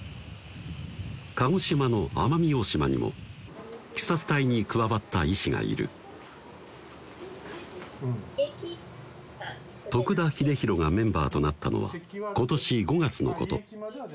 鹿児島の奄美大島にもＫＩＳＡ２隊に加わった医師がいる徳田英弘がメンバーとなったのは今年５月のこと